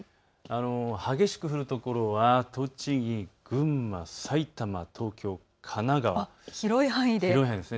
激しく降る所は栃木、群馬、埼玉、東京、神奈川、広い範囲です。